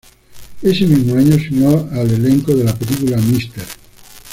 Ese mismo año se unió al elenco de la película "Mr.